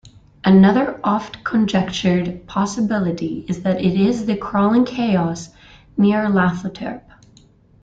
Another oft-conjectured possibility is that it is the Crawling Chaos, Nyarlathotep.